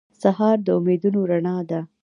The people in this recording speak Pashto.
سهار د امیدونو رڼا ده.